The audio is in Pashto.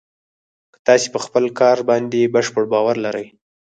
که تاسې په خپل کار باندې بشپړ باور لرئ